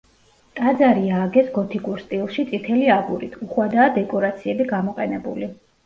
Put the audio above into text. ტაძარი ააგეს გოთიკურ სტილში წითელი აგურით, უხვადაა დეკორაციები გამოყენებული.